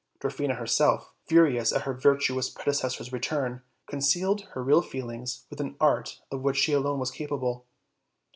Dwarfina herself, furious at her virtuous predecessor's return, concealed her real feelings with an art of which she alone was capable.